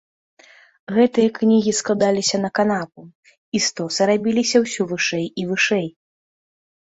Гэтыя кнігі складаліся на канапу, і стосы рабіліся ўсё вышэй і вышэй.